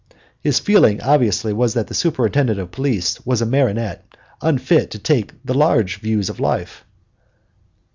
His feeling, obviously, was that the Superintendent of Police was a martinet, unfit to take large views of life.